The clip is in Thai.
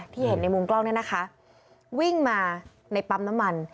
เห็นในมุมกล้องเนี่ยนะคะวิ่งมาในปั๊มน้ำมัน